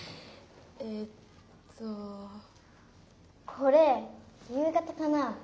これ夕方かなぁ。